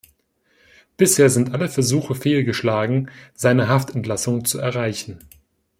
Bisher sind alle Versuche fehlgeschlagen, seine Haftentlassung zu erreichen.